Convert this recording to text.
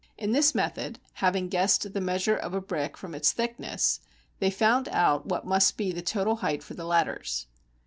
In this method, having guessed the measure of a brick from its thickness, they found out what must be the total height for the ladders.